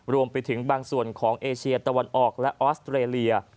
รวมไปถึงบางส่วนของเอเชียตะวันออกและออสเตรเลีย